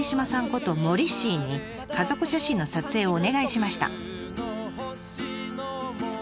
ことモリッシーに家族写真の撮影をお願いしました。